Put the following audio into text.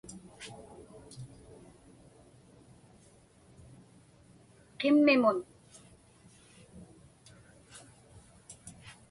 qimmimun